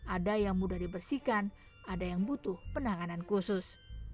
ada yang mudah dibersihkan ada yang butuh penanganan khusus